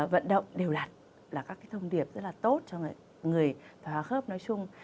vận động đều lặt là các thông điệp rất là tốt cho người thòa khớp nói chung